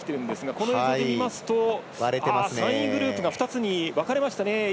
この映像で見ますと３位グループが２つに分かれました。